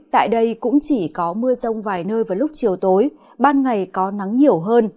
tại đây cũng chỉ có mưa rông vài nơi vào lúc chiều tối ban ngày có nắng nhiều hơn